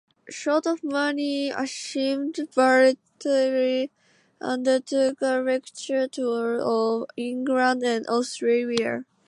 Short of money, Ashmead-Bartlett undertook a lecture tour of England and Australia.